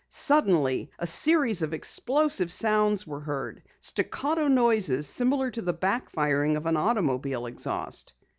Suddenly a series of explosive sounds were heard, staccato noises similar to the back firing of an automobile exhaust.